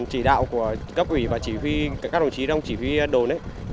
chỉ đạo của cấp ủy và các đồng chí trong chỉ huy đồn